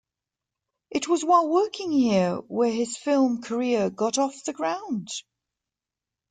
It was while working here where his film career got off the ground.